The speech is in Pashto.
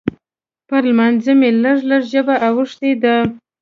پر لمانځه مې لږ لږ ژبه اوښتې ده.